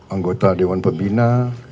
anggota dewan pembina